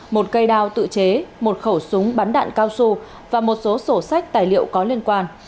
một cây đao tự chế một khẩu súng bắn đạn cao su và một số sổ sách tài liệu có liên quan